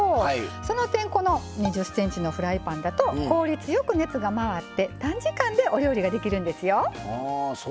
その点、この２０ｃｍのフライパンだと効率よく熱が回って短時間でお料理ができるんですよ。